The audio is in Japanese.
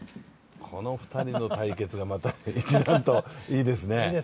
この２人の対決がまた一段と、いいですね。